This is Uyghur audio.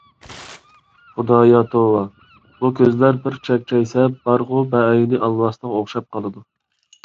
خۇدايا توۋا، بۇ كۆزلەر بىر چەكچەيسە بارغۇ بەئەينى ئالۋاستىغا ئوخشاپ قالىدۇ.